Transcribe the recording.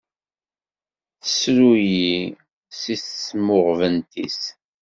Tesru-yi s timmuɣbent-is.